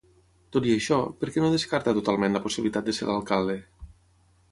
Tot i això, per què no descarta totalment la possibilitat de ser l'alcalde?